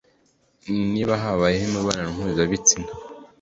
niba habayeho imibonano mpuzabitsina